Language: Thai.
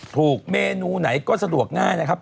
เมนูไหนก็สะดวกง่ายนะครับ